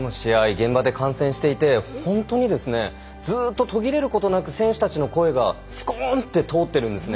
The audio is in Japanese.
現場で観戦していて本当にずっと途切れることなく選手たちの声がスコーンって通ってるんですね。